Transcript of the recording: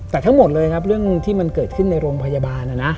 แต่ทั้งหมดเลยครับเรื่องที่มันเกิดขึ้นในโรงพยาบาลนะนะ